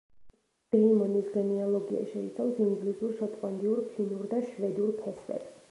დეიმონის გენეალოგია შეიცავს ინგლისურ, შოტლანდიურ, ფინურ და შვედურ ფესვებს.